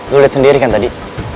gue liat sendiri kan tadi